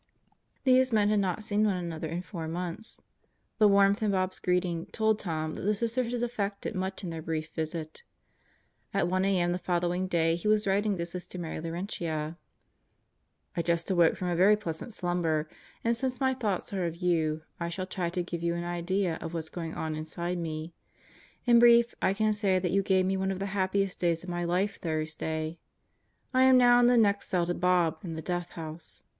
These men had not seen one another in four months. The warmth in Bob's greeting told Tom that the Sisters had effected much in their brief visit. At 1 a.m. the following day he was writing to Sister Mary Laurentia: I just awoke from a very pleasant slumber, and since my thoughts are of you, I shall try to give you an idea of what's going on inside me. In brief I can say that you gave me one of the happiest days of my life Thursday. I am now in the next cell to Bob, in the Death House.